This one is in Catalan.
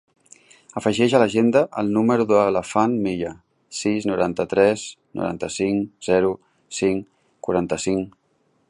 Afegeix a l'agenda el número de l'Afnan Milla: sis, noranta-tres, noranta-cinc, zero, cinc, quaranta-cinc.